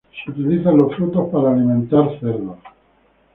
Los frutos son utilizados para alimentar cerdos.